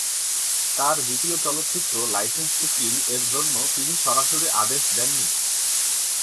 তার দ্বিতীয় চলচ্চিত্র "লাইসেন্স টু কিল" এর জন্য তিনি সরাসরি আদেশ দেননি।